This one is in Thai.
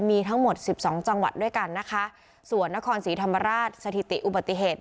มีทั้งหมดสิบสองจังหวัดด้วยกันนะคะส่วนนครศรีธรรมราชสถิติอุบัติเหตุ